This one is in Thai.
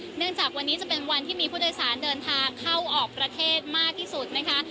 หลังจากวันนี้จะเป็นวันที่มีผู้โดยสารเดินทางเข้าออกประเทศมากที่สุดนะคะ